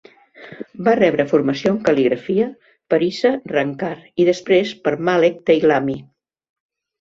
Va rebre formació en cal·ligrafia per Isa Rangkar i després per Malek Deylami.